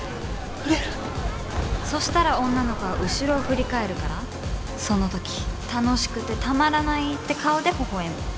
そしたら女の子は後ろを振り返るからその時楽しくてたまらないって顔でほほ笑む。